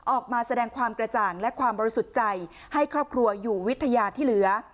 ออกมาแสดงความกระจ่างและความบริสุทธิ์ใจให้ครอบครัวอยู่วิทยาที่เหลือ